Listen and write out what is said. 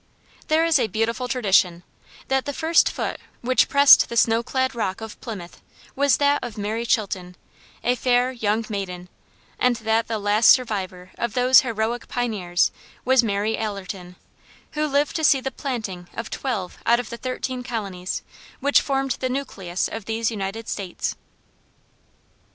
There is a beautiful tradition, that the first foot which pressed the snow clad rock of Plymouth was that of Mary Chilton, a fair young maiden, and that the last survivor of those heroic pioneers was Mary Allerton, who lived to see the planting of twelve out of the thirteen colonies, which formed the nucleus of these United States.